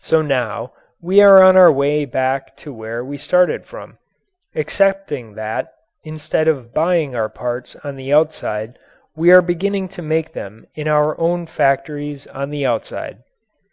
So now we are on our way back to where we started from excepting that, instead of buying our parts on the outside, we are beginning to make them in our own factories on the outside.